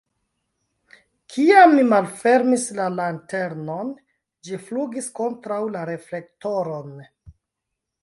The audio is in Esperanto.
Kiam mi malfermis la lanternon, ĝi flugis kontraŭ la reflektoron.